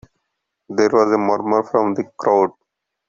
There was a murmur from the crowd.